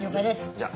じゃあ。